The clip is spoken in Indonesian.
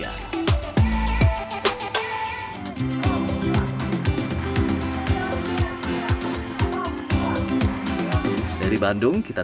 anda tentu bisa menikmati kue koin ini